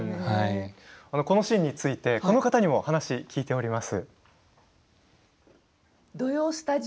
このシーンについてこの方にも話を聞いています。